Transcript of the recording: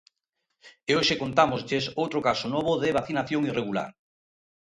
E hoxe contámoslles outro caso novo de vacinación irregular.